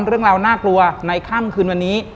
เรื่องราวน่ากลัวในค่ำคืนวันนี้